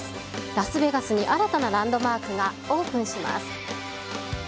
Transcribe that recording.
ラスベガスに新たなランドマークがオープンします。